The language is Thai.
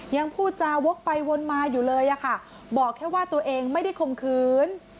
ยังพูดจาวกไปวนมาอยู่เลยอะค่ะบอกแค่ว่าตัวเองไม่ได้คมคืน